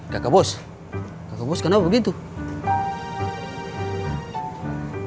kalau sudah tadi